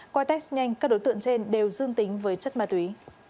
qua test nhanh các đối tượng trên đều dương tính với chất ma túy